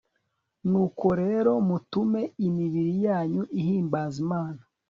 Nuko rero mutume imibiri yanyu ihimbaza Imana